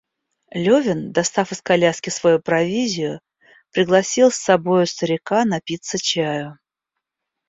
Левин, достав из коляски свою провизию, пригласил с собою старика напиться чаю.